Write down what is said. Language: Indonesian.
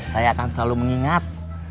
saya akan selalu mengingat